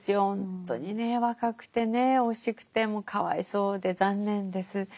ほんとにね若くてね惜しくてもうかわいそうで残念です。